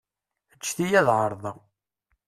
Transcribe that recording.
Ǧǧet-iyi ad ɛerḍeɣ.